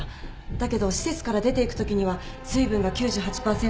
だけど施設から出ていくときには水分が９８％。